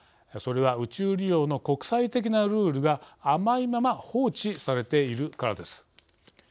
それは宇宙利用の国際的なルールが甘いまま放置されているからです。